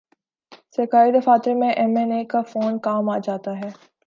سرکاری دفاتر میں ایم این اے کا فون کام آجا تا ہے۔